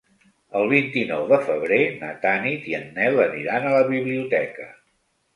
El vint-i-nou de febrer na Tanit i en Nel aniran a la biblioteca.